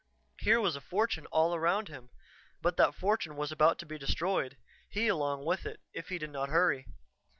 Here was a fortune all around him; but that fortune was about to be destroyed, he along with it, if he did not hurry.